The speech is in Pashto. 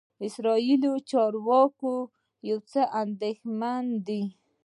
اسرائیلي چارواکي یو څه اندېښمن دي.